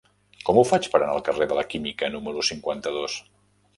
Com ho faig per anar al carrer de la Química número cinquanta-dos?